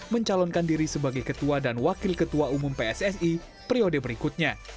mencalonkan diri sebagai ketua dan wakil ketua umum pssi periode berikutnya